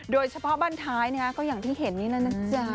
โดยเฉพาะบ้านท้ายก็อย่างที่เห็นนี่แล้วนะจ๊ะ